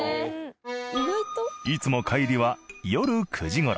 いつも帰りは夜９時頃。